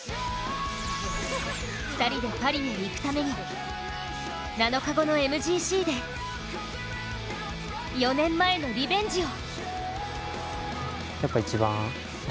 ２人でパリに行くために７日後のＭＧＣで４年前のリベンジを。